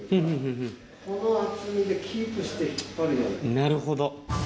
なるほど。